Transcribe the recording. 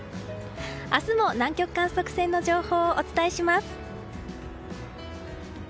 明日も南極観測船の情報をお伝えします。